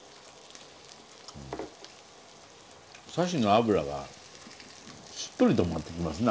サシの脂がしっとりと回ってきますね